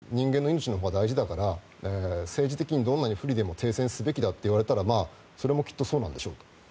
あくまでも人間の命のほうが大事だから政治的にどんなに不利でも停戦するべきだと言われたらそれもきっとそうなんでしょう。